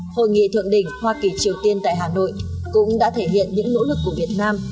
hội nghị thượng đỉnh hoa kỳ triều tiên tại hà nội cũng đã thể hiện những nỗ lực của việt nam